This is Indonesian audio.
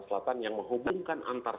selatan yang menghubungkan antara